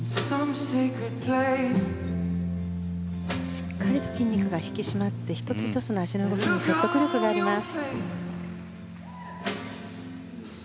しっかりと筋肉が引き締まって１つ１つの動きに説得力があります。